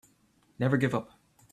Never give up.